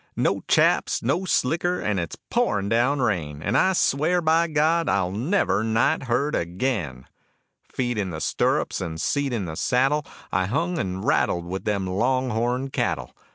No chaps, no slicker, and it's pouring down rain, And I swear, by god, I'll never night herd again. Feet in the stirrups and seat in the saddle, I hung and rattled with them long horn cattle.